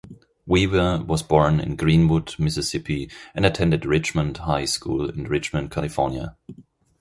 Weaver was born in Greenwood, Mississippi and attended Richmond High School in Richmond, California.